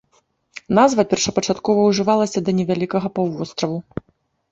Назва першапачаткова ўжывалася да невялікага паўвостраву.